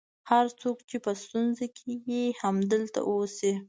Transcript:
هر څوک چې په ستونزه کې یې همدلته اوسي.